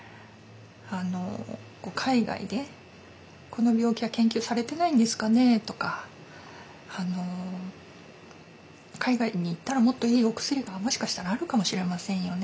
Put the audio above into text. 「海外でこの病気は研究されてないんですかね？」とか「海外に行ったらもっといいお薬がもしかしたらあるかもしれませんよね」